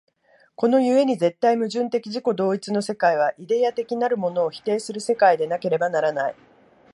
この故に絶対矛盾的自己同一の世界は、イデヤ的なるものをも否定する世界でなければならない。